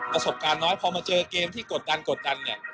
ประสบการณ์น้อยพอมาเจอเกมที่กดดัน